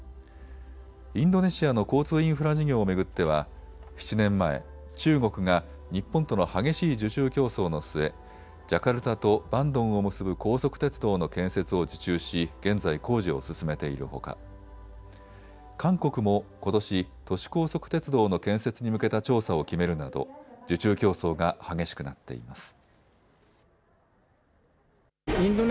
インドネシアの交通インフラ事業を巡っては７年前、中国が日本との激しい受注競争の末、ジャカルタとバンドンを結ぶ高速鉄道の建設を受注し現在、工事を進めているほか韓国もことし都市高速鉄道の建設に向けた調査を決めるなど受注競争が激しくなっています。